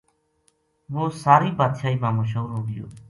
وہ ساری بادشاہی ما مشہور ہو گیو